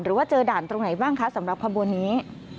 ว่าเจอด่านตรงไหนบ้างคะสำหรับขบวนนี้